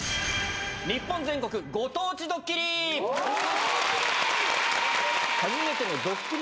日本全国ご当地ドッキリ。